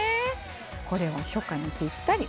これも初夏にぴったり。